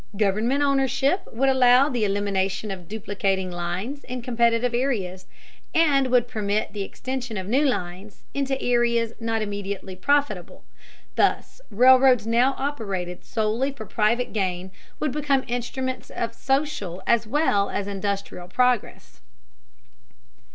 Government ownership would allow the elimination of duplicating lines in competitive areas, and would permit the extension of new lines into areas not immediately profitable. Thus railroads now operated solely for private gain would become instruments of social as well as industrial progress.